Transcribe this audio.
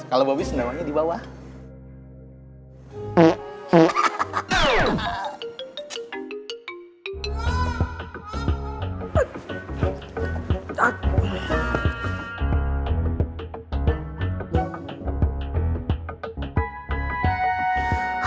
kalau bobi sebenarnya di bawah